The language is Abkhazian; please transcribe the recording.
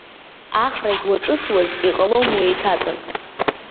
Ахрагь уаҿысуаз, иҟалом уеиҭаҵыр.